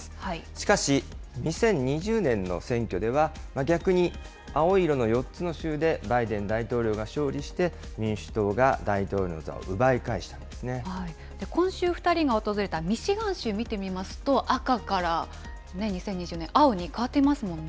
しかし２０２０年の選挙では、逆に青い色の４つの州でバイデン大統領が勝利して、民主党が大統今週２人が訪れたミシガン州、見てみますと、赤から２０２０年、青に変わっていますもんね。